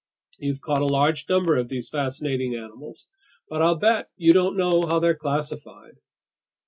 You've caught a large number of these fascinating animals. But I'll bet you don't know how they're classified."